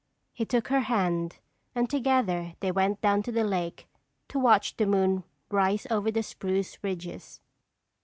He took her hand and together they went down to the lake to watch the moon rise over the spruce ridges.